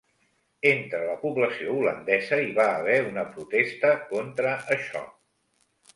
Entre la població holandesa hi va haver una protesta contra això.